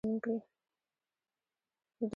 د دوکیانو شورا دنده لرله چې تضمین کړي